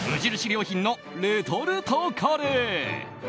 良品のレトルトカレー！